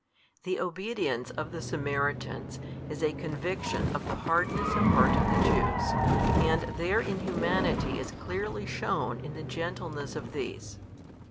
The obedience of the Samaritans is a conviction of the hardness of heart of the Jews, and their inhumanity is clearly shewn in the gentleness of these.